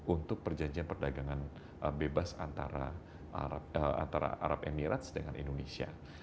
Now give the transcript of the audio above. untuk perjanjian perdagangan bebas antara arab emirates dengan indonesia